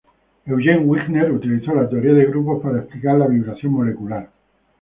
Eugene Wigner utilizó la teoría de grupos para explicar la vibración molecular.